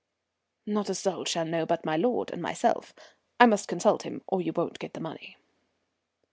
"Not a soul shall know but my lord and myself. I must consult him, or you won't get the money."